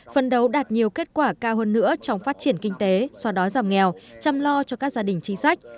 phân đấu đạt nhiều kết quả cao hơn nữa trong phát triển kinh tế xóa đói giảm nghèo chăm lo cho các gia đình chính sách